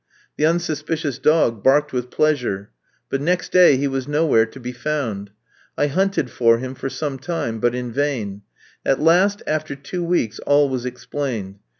The unsuspicious dog barked with pleasure, but next day he was nowhere to be found. I hunted for him for some time, but in vain; at last, after two weeks, all was explained.